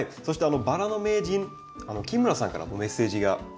そしてバラの名人木村さんからメッセージが。